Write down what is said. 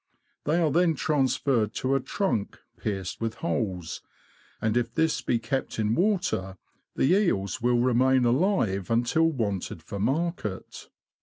They are then transferred to a trunk pierced with holes, and if this be kept in water, the eels will remain alive until wanted for market.